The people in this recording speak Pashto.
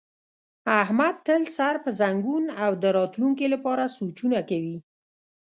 احمد تل سر په زنګون او د راتونکي لپاره سوچونه کوي.